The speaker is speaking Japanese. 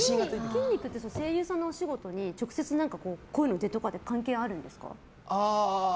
筋肉って声優さんのお仕事に直接関係あるんですか？